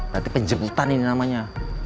nanti penjemputan ini namanya